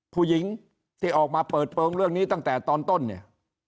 ผู้หญิงที่ออกมาเปิดเปลืองเรื่องนี้ตั้งแต่ตอนต้นเนี่ย